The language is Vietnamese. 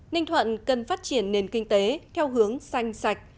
ninh thuận cần phát triển nền kinh tế theo hướng xanh sạch